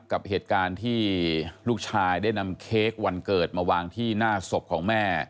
กับเหตุการณ์ที่ลูกชายได้นำเค้กวันเกิดมาวางที่หน้าศพของแม่